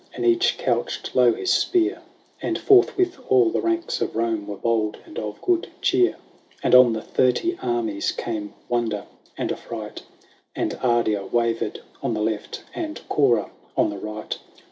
And each couched low his spear ; And forthwith all the ranks of Eome Were bold, and of good cheer : And on the thirty armies Came wonder and affright. And Ardea wavered on the left. And Cora on the right.